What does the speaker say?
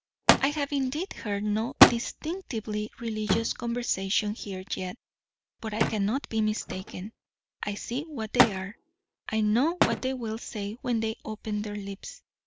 I have indeed heard no distinctively religious conversation here yet; but I cannot be mistaken; I see what they are; I know what they will say when they open their lips.